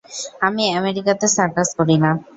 আমি আমেরিকা তে সার্কাস করি না!